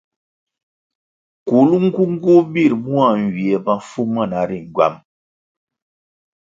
Kulnğunğu bir mua nywiè mafu mana ri ngywam.